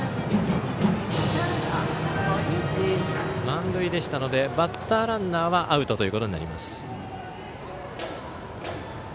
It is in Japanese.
満塁でしたのでバッターランナーはアウトということになります。